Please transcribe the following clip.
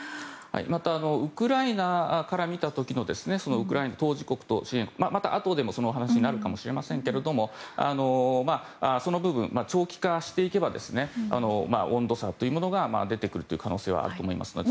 またウクライナから見た時の、当事国とあとでその話になるかもしれませんがその部分、長期化していけば温度差が出てくる可能性はあると思いますので。